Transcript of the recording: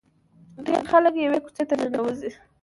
ډېر خلک یوې کوڅې ته ننوځي.